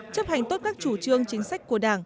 chấp hành tốt các chủ trương chính sách của đảng